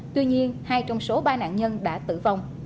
tuy nhiên hai trong số ba nạn nhân đã tử vong